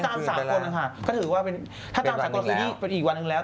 ถ้าตามสามคนค่ะก็ถือว่าเป็นอีกวันนึงแล้ว